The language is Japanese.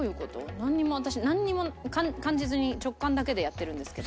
なんにも私なんにも感じずに直感だけでやってるんですけど。